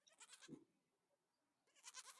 槲蕨是水龙骨科槲蕨属下的一个种。